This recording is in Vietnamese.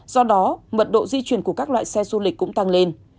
do đó mật độ di chuyển của các loại xe du lịch cũng tăng lên